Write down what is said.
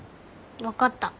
分かった。